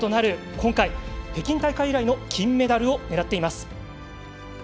今回北京大会以来となる金メダルを狙っています。